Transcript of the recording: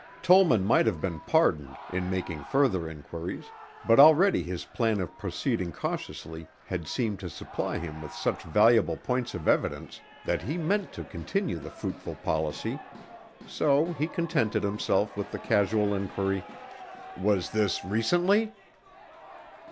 Tollman might have been pardoned in making further inquiries, but already his plan of proceeding cautiously had seemed to supply him with such valuable points of evidence that he meant to continue the fruitful policy, so he contented himself with the casual inquiry, "Was this recently?"